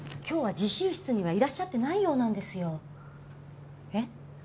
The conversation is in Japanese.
今日は自習室にはいらっしゃってないようなんですえっ？